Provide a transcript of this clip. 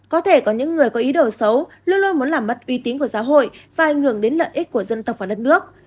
có thể có những người có ý đồ xấu luôn luôn muốn làm mất uy tín của giáo hội và ảnh hưởng đến lợi ích của dân tộc và đất nước